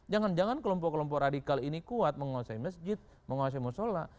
jangan jangan kelompok kelompok radikal ini kuat menguasai masjid menguasai musola